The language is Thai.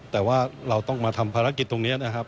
แต่ว่าเราต้องมาทำภารกิจตรงนี้นะครับ